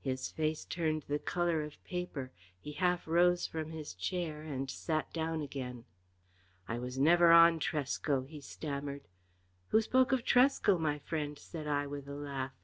His face turned the colour of paper, he half rose from his chair and sat down again. "I was never on Tresco," he stammered. "Who spoke of Tresco, my friend?" said I, with a laugh.